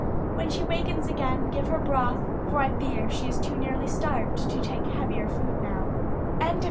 "When she wakens again, give her broth, for I fear she is too nearly starved to take heavier food just now."